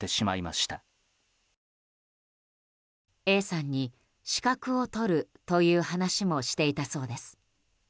Ａさんに資格を取るという話もしていたそうです。